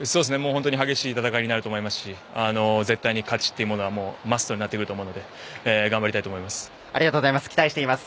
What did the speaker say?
本当に激しい戦いになると思いますし絶対に勝つというのはマストになってくると思うのでありがとうございます期待しています。